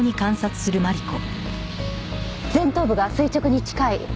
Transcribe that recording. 前頭部が垂直に近い。